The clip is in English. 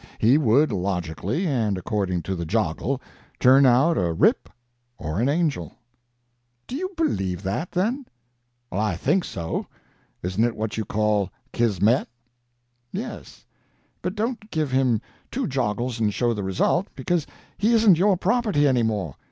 He would, logically and according to the joggle, turn out a rip or an angel." "Do you believe that, then?" "I think so. Isn't it what you call Kismet?" "Yes; but don't give him two joggles and show the result, because he isn't your property any more.